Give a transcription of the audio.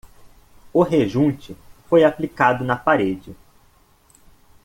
O rejunte foi aplicado na parede